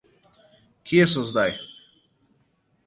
Kje so zdaj?